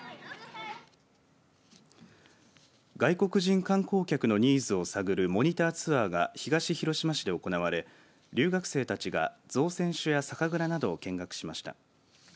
外国人観光客のニーズを探るモニターツアーが東広島市で行われ留学生たちが造船所や酒蔵などを見学しました。